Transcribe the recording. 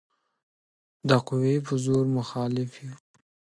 د قوې په زور مخالف یو.